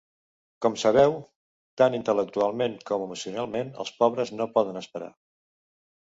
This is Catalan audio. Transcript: Com sabeu, tant intel·lectualment com emocionalment, els pobres no poden esperar.